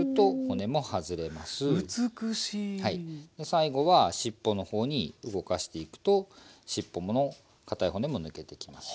最後は尻尾の方に動かしていくと尻尾のかたい骨も抜けていきます。